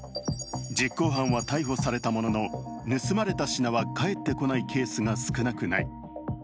実行犯は逮捕されたものの盗まれた品は返ってこないケースが少なくない。